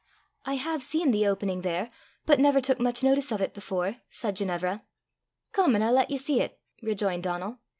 "I have seen the opening there, but never took much notice of it before," said Ginevra. "Come an' I'll lat ye see 't," rejoined Donal.